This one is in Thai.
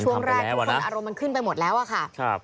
ช่วงแรกทุกคนอารมณ์มันขึ้นไปหมดแล้วอะค่ะ